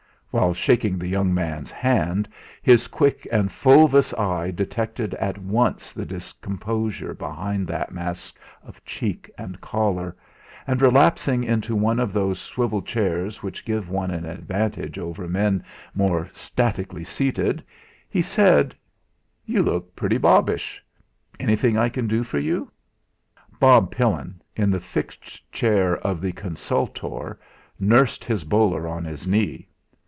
While shaking the young man's hand his quick and fulvous eye detected at once the discomposure behind that mask of cheek and collar, and relapsing into one of those swivel chairs which give one an advantage over men more statically seated, he said: "You look pretty bobbish. Anything I can do for you?" Bob Pillin, in the fixed chair of the consultor, nursed his bowler on his knee.